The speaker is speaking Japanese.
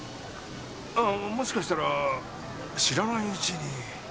あっもしかしたら知らないうちに。